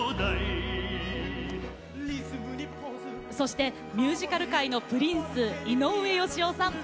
そしてミュージカル界のプリンス井上芳雄さん。